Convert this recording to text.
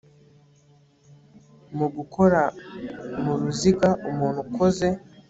mu gukora mu ruzigaumuntu ukoze